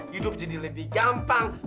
hidup jadi lebih gampang